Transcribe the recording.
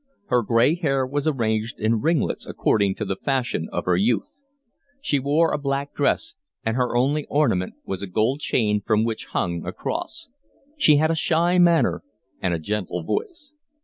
Her gray hair was arranged in ringlets according to the fashion of her youth. She wore a black dress, and her only ornament was a gold chain, from which hung a cross. She had a shy manner and a gentle voice.